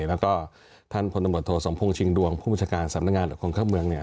แล้วก็ท่านพศสมพงษ์ชิงดวงผู้บุจการสำนักงานหรือคนข้างเมืองเนี่ย